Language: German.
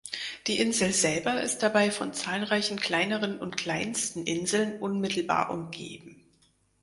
Die Insel selber ist dabei von zahlreichen kleineren und kleinsten Inseln unmittelbar umgeben.